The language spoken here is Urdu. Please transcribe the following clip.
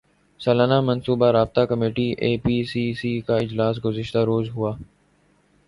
سالانہ منصوبہ رابطہ کمیٹی اے پی سی سی کا اجلاس گزشتہ روز ہوا